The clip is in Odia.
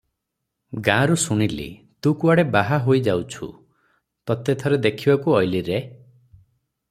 ଗାଁରୁ ଶୁଣିଲି, ତୁ କୁଆଡେ ବାହା ହୋଇ ଯାଉଛୁ, ତତେ ଥରେ ଦେଖିବାକୁ ଅଇଲି ରେ ।